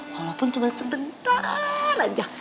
walaupun cuma sebentar aja